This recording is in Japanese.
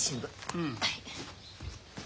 うん。